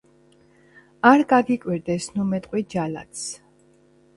არ გაგიკვირდეს ნუ მეტყვი ჯალათს